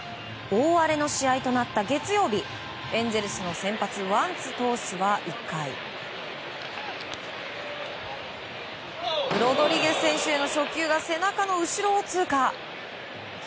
大荒れの試合となった月曜日、エンゼルスの先発ワンツ投手は１回ロドリゲス選手への初球が背中の後ろを通過。